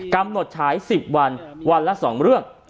กำหนดฉาย๑๐วันวันละ๒เรื่อง